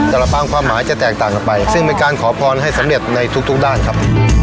ลำปางความหมายจะแตกต่างกันไปซึ่งเป็นการขอพรให้สำเร็จในทุกด้านครับ